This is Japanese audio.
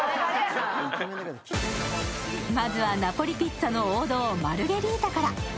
まずはナポリピッツァの王道、マルゲリータから。